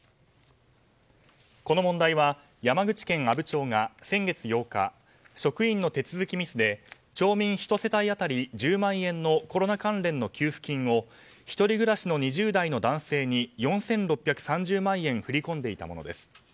この問題は山口県阿武町が先月８日職員の手続きミスで町民１世帯当たり１０万円のコロナ関連の給付金を１人暮らしの２０代の男性に４６３０万円振り込んでいたものです。